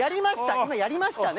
今やりましたね。